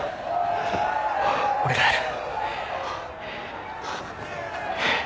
俺がやる。